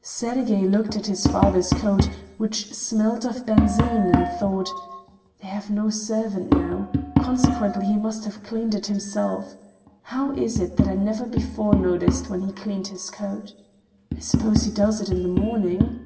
Sergey looked at his father's coat, which smelt of benzine, and thought: "They have no servant now, consequently he must have cleaned it himself. How is it that I never before noticed when he cleaned his coat? I suppose he does it in the morning."